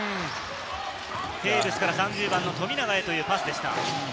テーブスから３０番の富永へというパスでした。